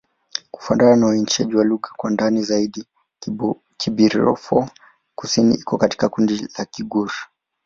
Kufuatana na uainishaji wa lugha kwa ndani zaidi, Kibirifor-Kusini iko katika kundi la Kigur.